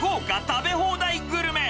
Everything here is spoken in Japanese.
食べ放題グルメ。